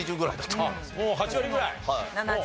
もう８割ぐらい？